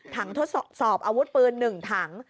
ทดสอบอาวุธปืน๑ถัง